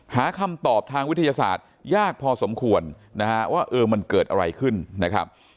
หาคำตอบทางวิทยาศาสตร์ยากพอสมควรนะฮะว่าเออมันเกิดอะไรขึ้นนะครับ